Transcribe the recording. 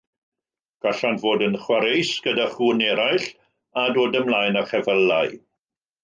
Gallant fod yn chwareus gyda chŵn eraill, a dod ymlaen â cheffylau.